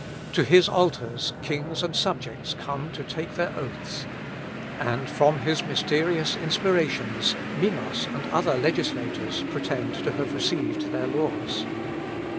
To his altars kings and subjects come to take their oaths, and from his mysterious inspirations Minos and other legislators pretend to have received their laws.